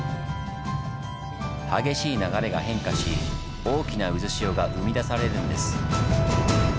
激しい流れが変化し大きな渦潮が生み出されるんです。